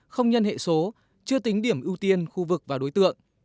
không nhân hệ số chưa tính điểm ưu tiên khu vực và đối tượng